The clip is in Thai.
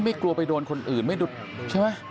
กลัวไปโดนคนอื่นไม่ดูดใช่ไหม